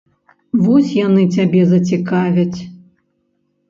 Вось яны цябе зацікавяць.